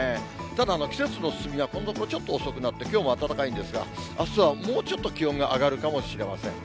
ただ季節の進みはここのところ、ちょっと遅くなって、きょうも暖かいんですが、あすはもうちょっと気温が上がるかもしれません。